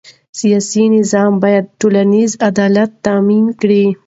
سیاسي نظام باید ټولنیز عدالت تأمین کړي